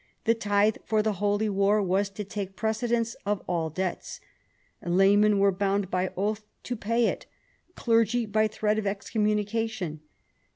The tithe for the Holy War was to take precedence of all debts. Laymen were bound by oath to pay it, clergy by threat of excommunication.